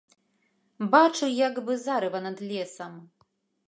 Бачу, як бы зарыва над лесам.